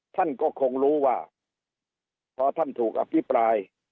ท่านก็คงรู้ว่าพอท่านถูกอภิปราย